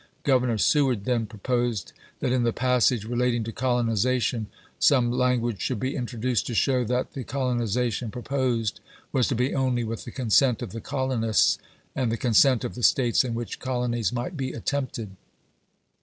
Governor Seward then proposed that in the passage relating to colonization some language should be introduced to show that the colonization proposed was to be only with the consent of the colonists and the consent of the States in which col onies might be attempted.